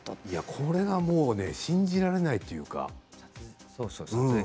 これがもう信じられないというか。